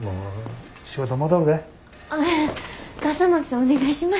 お願いします。